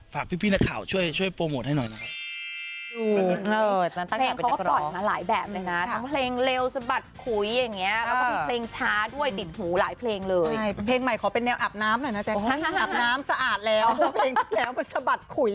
ฝากพี่นักข่าวช่วยโปรโมทให้หน่อยนะครับ